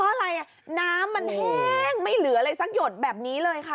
เพราะอะไรอ่ะน้ำมันแห้งไม่เหลืออะไรสักหยดแบบนี้เลยค่ะ